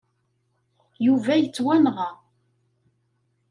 Yuba yettwanɣa.